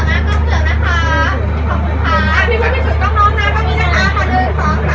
ขอบคุณค่ะ